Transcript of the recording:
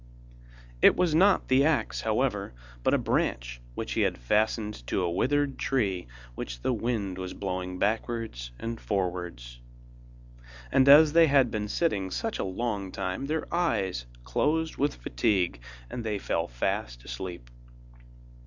It was not the axe, however, but a branch which he had fastened to a withered tree which the wind was blowing backwards and forwards. And as they had been sitting such a long time, their eyes closed with fatigue, and they fell fast asleep.